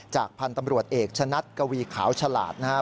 พันธุ์ตำรวจเอกชะนัดกวีขาวฉลาดนะครับ